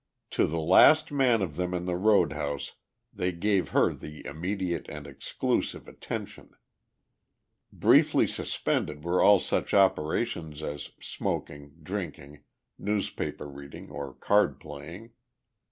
To the last man of them in the road house they gave her their immediate and exclusive attention. Briefly suspended were all such operations as smoking, drinking, newspaper reading or card playing.